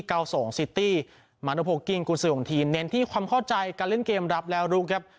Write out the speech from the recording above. เก้าส่งซิตี้มาโนโพลกิ้งกุศือของทีมเน้นที่ความเข้าใจการเล่นเกมรับแล้วรู้ครับ